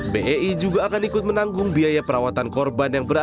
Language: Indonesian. bei juga akan ikut menanggung biaya perawatan korban